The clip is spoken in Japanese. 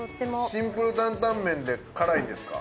シンプルタンタンメンで辛いんですか。